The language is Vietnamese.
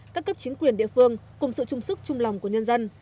các cấp chính quyền địa phương cùng sự trung sức trung lòng của nhân dân